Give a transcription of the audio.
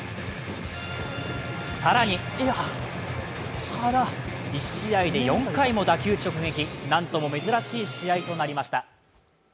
更に１試合で４回も打球直撃何とも珍しい試合となりました。